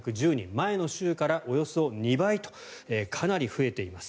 前の週からおよそ２倍とかなり増えています。